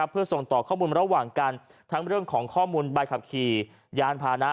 เพื่อส่งต่อข้อมูลระหว่างกันทั้งเรื่องของข้อมูลใบขับขี่ยานพานะ